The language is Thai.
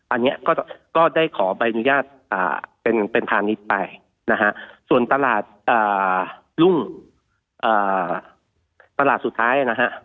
อันนี้ก็ได้ขอใบอนุญาตเป็นฐานิจไปส่วนตลาดรุ่งตลาดสุดท้าย